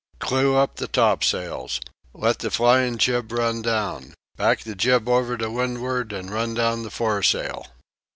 "Clew up the topsails! Let the flying jib run down! Back the jib over to windward and run down the foresail!"